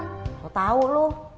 gak tau loh